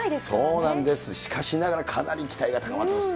そうなんです、しかしながらかなり期待が高まってます。